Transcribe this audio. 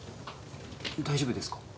大丈夫ですか？